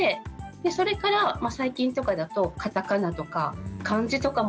それから最近とかだとカタカナとか漢字とかまでにいって。